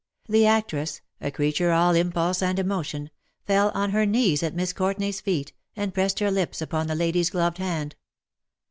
The actress — a creature all impulse and emotion — fell on her knees at Miss Courtenay's feetj and pressed her lips upon the lady^s gloved hand.